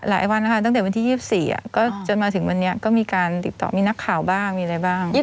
หลายวันนะคะตั้งแต่วันที่๒๔ก็จนมาถึงวันนี้ก็มีการติดต่อมีนักข่าวบ้างมีอะไรบ้าง